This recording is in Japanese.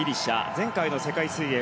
前回の世界水泳